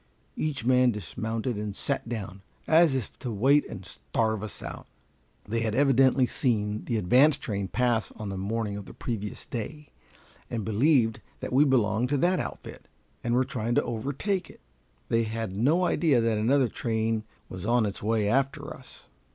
Each man dismounted and sat down, as if to wait and starve us out. They had evidently seen the advance train pass on the morning of the previous day, and believed that we belonged to that outfit, and were trying to overtake it. They had no idea that another train was on its way after us.